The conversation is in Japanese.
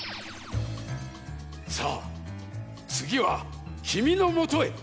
さあつぎはきみのもとへ！